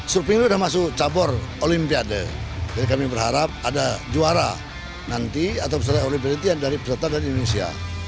survei ini sudah masuk cabur olimpiade jadi kami berharap ada juara nanti atau peserta olimpia dari peserta dari indonesia